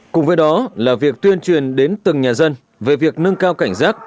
cùng với đó là việc tuyên truyền đến từng nhà dân về việc nâng cao cảnh giác